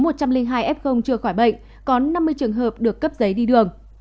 một trăm linh hai f chưa khỏi bệnh có năm mươi trường hợp được cấp giấy đi đường